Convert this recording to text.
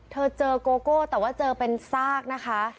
เจอโกโก้แต่ว่าเจอเป็นซากนะคะ